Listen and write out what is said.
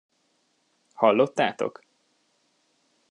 Hallottátok?